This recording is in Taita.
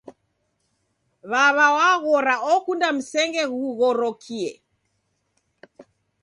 Wawa waghora okunda msenge ghughorokie